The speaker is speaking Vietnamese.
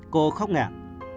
cô khóc nghẹn